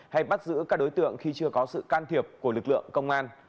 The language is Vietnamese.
hay bắt giữ các đối tượng khi chưa có sự can thiệp của lực lượng công an